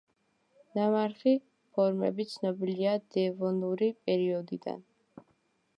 ნამარხი ფორმები ცნობილია დევონური პერიოდიდან.